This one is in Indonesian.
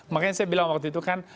makanya saya bilang waktu itu kan